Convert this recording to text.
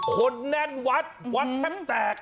คนแน่นวัดวัดแทบแตก